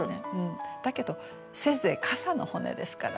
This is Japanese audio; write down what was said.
だけどせいぜい傘の骨ですからね。